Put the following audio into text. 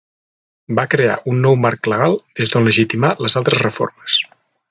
Va crear un nou marc legal des d'on legitimar les altres reformes.